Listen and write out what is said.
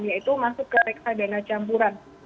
yaitu masuk ke reksadana campuran